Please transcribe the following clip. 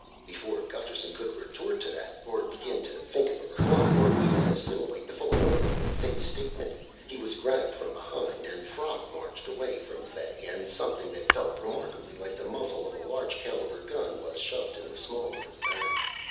_" Before Gusterson could retort to that, or begin to think of a reply, or even assimilate the full enormity of Fay's statement, he was grabbed from behind and frog marched away from Fay and something that felt remarkably like the muzzle of a large caliber gun was shoved in the small of his back.